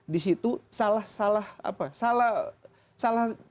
di situ salah